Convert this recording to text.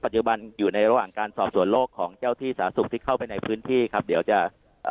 จุบันอยู่ในระหว่างการสอบส่วนโลกของเจ้าที่สาธารณสุขที่เข้าไปในพื้นที่ครับเดี๋ยวจะเอ่อ